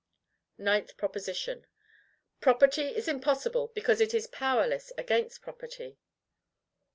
NINTH PROPOSITION. Property is impossible, because it is powerless against Property.